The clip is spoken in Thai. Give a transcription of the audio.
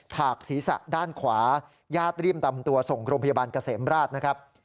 ถากศีรษะด้านขวาญาติรีบนำตัวส่งโรงพยาบาลเกษมราชนะครับ